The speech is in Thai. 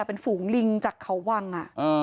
เป็นฝูงลิงจากเขาว่างอ่ะอ่า